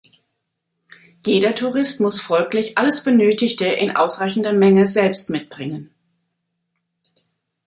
Jeder Tourist muss folglich alles Benötigte in ausreichender Menge selbst mitbringen.